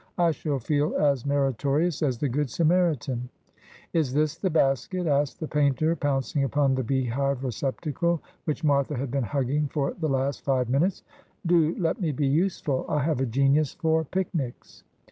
I shall feel as meritorious as the Good Samaritan.' ' Is this the basket ?' asked the painter, pouncing upon the beehive receptacle which Martha had been hugging for the last ^ five minutes. ' Do let me be useful. I have a genius for pic nics.'